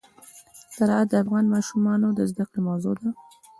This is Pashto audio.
زراعت د افغان ماشومانو د زده کړې موضوع ده.